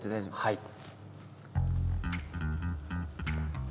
はい。